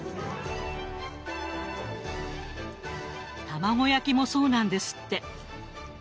卵焼きもそうなんですって。